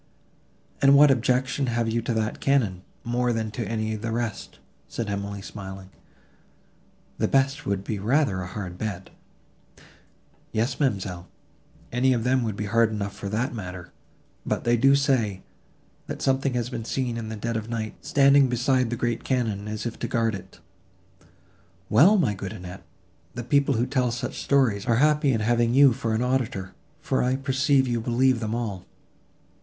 "And what objection have you to that cannon, more than to any of the rest?" said Emily smiling: "the best would be rather a hard bed." "Yes, ma'amselle, any of them would be hard enough for that matter; but they do say, that something has been seen in the dead of night, standing beside the great cannon, as if to guard it." "Well! my good Annette, the people who tell such stories, are happy in having you for an auditor, for I perceive you believe them all."